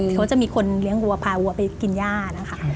เขาจะมีคนเลี้ยงวัวพาวัวไปกินย่านะคะ